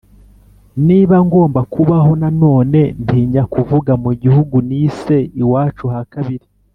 niba ngomba kubaho nanone ntinya kuvuga mu gihugu nise iwacu ha kabiri,